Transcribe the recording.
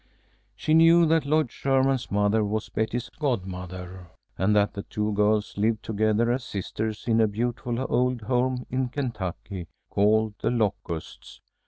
She knew that Lloyd Sherman's mother was Betty's godmother, and that the two girls lived together as sisters in a beautiful old home in Kentucky called "The Locusts."